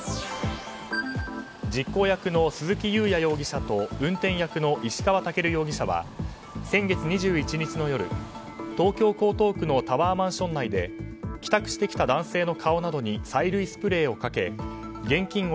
実行役の鈴木雄也容疑者と運転役の石川健容疑者は先月２１日の夜、東京・江東区のタワーマンション内で帰宅してきた男性の顔などに催涙スプレーをかけ現金